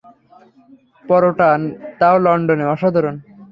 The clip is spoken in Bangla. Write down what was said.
পরোটা, তাও লন্ডনে, অসাধারণ।